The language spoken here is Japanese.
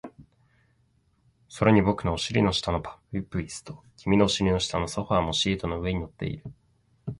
それに僕のお尻の下のパイプ椅子と、君のお尻の下のソファーもシートの上に乗っている